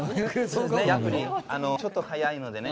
やっぱりちょっと早いのでね。